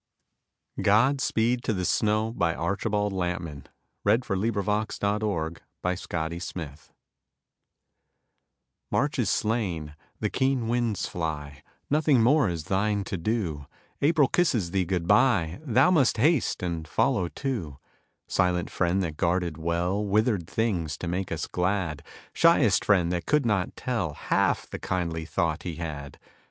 hou dream'st and art strangely happy, But thou canst not answer why." GOD SPEED TO THE SNOW March is slain; the keen winds fly; Nothing more is thine to do; April kisses thee good bye; Thou must haste and follow too; Silent friend that guarded well Withered things to make us glad, Shyest friend that could not tell Half the kindly thought he had.